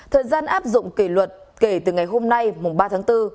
thời gian áp dụng kỷ luật kể từ ngày hôm nay mùng ba tháng bốn